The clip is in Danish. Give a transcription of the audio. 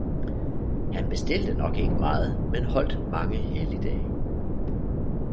han bestilte nok ikke meget, men holdt mange helligdage!